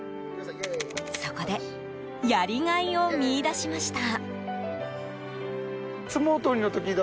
そこでやりがいを見いだしました。